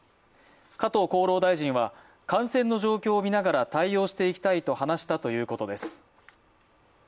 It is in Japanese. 加藤厚労大臣は、感染の状況を見ながら対応していきたいと話したということです。